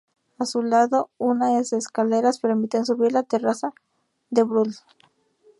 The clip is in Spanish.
A su lado, unas escaleras permiten subir a la Terraza de Brühl.